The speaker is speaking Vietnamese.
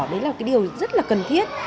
đó là điều rất là cần thiết